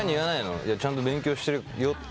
いやちゃんと勉強してるよって。